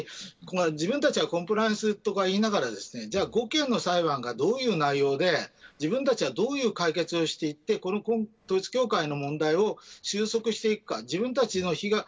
つまり自分たちはコンプライアンスとか言いながら５件の裁判がどういう内容で自分たちはどういう解決をしていって統一教会の問題を収束していくか。